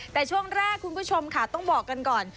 แต่ช่วงแรกคุณผู้ชมค่ะต้องบอกกันก่อน